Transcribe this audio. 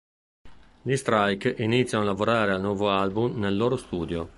Gli Strike iniziano a lavorare al nuovo album nel loro studio.